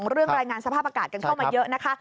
เรื่องรายงานสภาพอากาศกันเข้ามาเยอะนะคะ